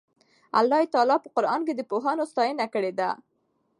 الله تعالی په قرآن کې د پوهانو ستاینه کړې ده.